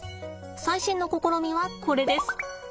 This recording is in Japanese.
最新の試みはこれです。